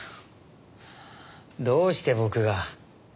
どうして僕が？